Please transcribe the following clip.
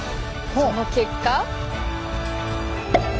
その結果。